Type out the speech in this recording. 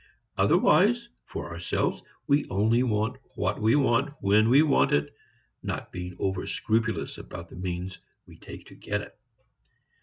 Otherwise for ourselves we only want what we want when we want it, not being overscrupulous about the means we take to get it.